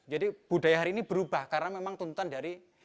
jadi budaya hari ini berubah karena memang tuntutan dari